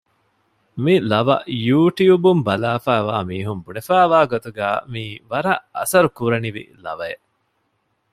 މި ލަވަ ޔޫޓިއުބުން ބަލާފައިވާ މީހުން ބުނެފައިވާ ގޮތުގައި މިއީ ވަރަށް އަސަރު ކުރުވަނިވި ލަވައެއް